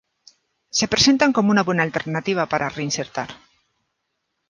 se presentan como una buena alternativa para reinsertar